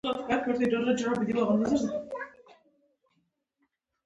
په تېرو څو میاشتو کې